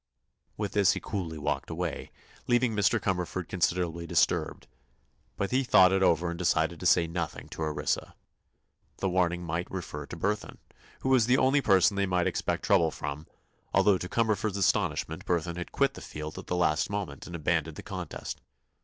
With this he coolly walked away, leaving Mr. Cumberford considerably disturbed. But he thought it over and decided to say nothing to Orissa. The warning might refer to Burthon, who was the only person they might expect trouble from, although to Cumberford's astonishment Burthon had quit the field at the last moment and abandoned the contest.